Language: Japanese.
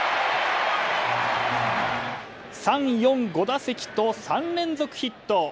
３、４、５打席と３連続ヒット。